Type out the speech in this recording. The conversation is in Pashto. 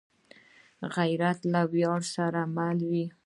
غیرت له ویاړ سره مل وي